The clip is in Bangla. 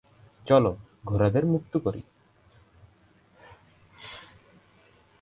চলো, ঘোড়াদের মুক্ত করি।